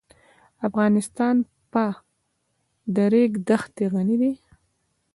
افغانستان په د ریګ دښتې غني دی.